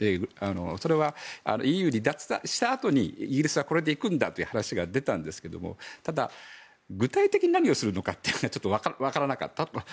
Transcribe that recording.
それはＥＵ離脱したあとにイギリスはこれでいくという話が出たんですけどただ、具体的に何をするのかはちょっと分からなかった。